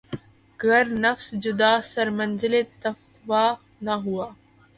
گر نفس جادہٴ سر منزلِ تقویٰ نہ ہوا